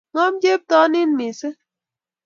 Ngom chepto nin mising